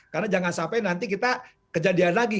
karena jangan sampai nanti kita kejadian lagi